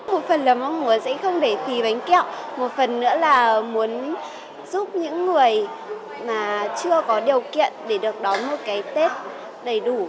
một phần là mong muốn sẽ không để khí bánh kẹo một phần nữa là muốn giúp những người mà chưa có điều kiện để được đón một cái tết đầy đủ